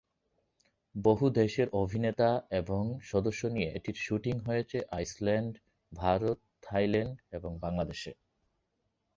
বহু-দেশের অভিনেতা এবং সদস্য নিয়ে এটির শুটিং হয়েছে আইসল্যান্ড, ভারত, থাইল্যান্ড এবং বাংলাদেশে।